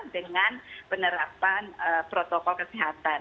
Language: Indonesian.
dengan penerapan protokol kesehatan